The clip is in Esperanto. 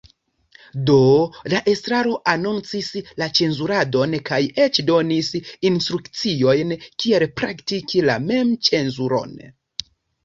Do, la estraro anoncis cenzuradon kaj eĉ donis instrukciojn kiel praktiki la memcenzuron.